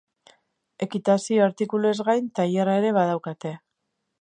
Ekitazio artikuluez gain, tailerra ere badaukate.